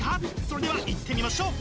それではいってみましょう！